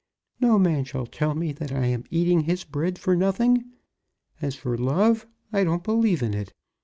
No man shall tell me that I am eating his bread for nothing. As for love, I don't believe in it.